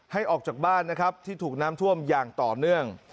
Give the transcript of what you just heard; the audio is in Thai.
ออกจากบ้านนะครับที่ถูกน้ำท่วมอย่างต่อเนื่อง